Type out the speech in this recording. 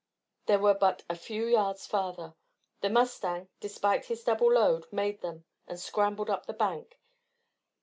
There were but a few yards farther. The mustang, despite his double load, made them, and scrambled up the bank.